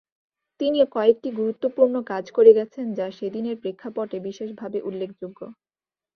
তিনি কয়েকটি গুরুত্বপূর্ণ কাজ করে গেছেন, যা সেদিনের প্রেক্ষাপটে বিশেষভাবে উল্লেখযোগ্য।